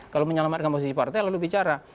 kalau menyelamatkan posisi partai lalu bicara